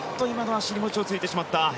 今のは尻餅をついてしまった。